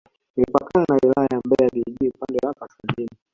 Imepakana na Wilaya ya Mbeya vijijini upande wa kaskazini